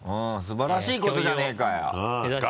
素晴らしいことじゃねぇかよ！